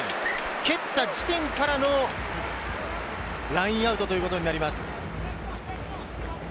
蹴った地点からのラインアウトからになります。